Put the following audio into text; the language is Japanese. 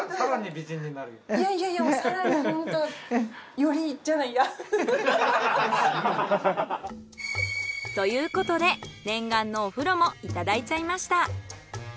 いやいやさらにホント。ということで念願のお風呂もいただいちゃいました。